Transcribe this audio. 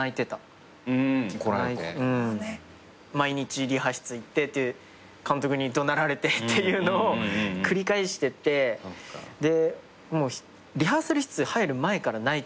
毎日リハ室行ってて監督に怒鳴られてっていうのを繰り返してって。でリハーサル室入る前から泣いてたの俺嫌で。